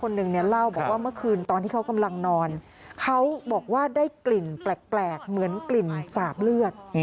หลังนอนเขาบอกว่าได้กลิ่นแปลกเหมือนกลิ่นสาบเลือด